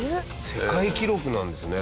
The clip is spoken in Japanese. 世界記録なんですね。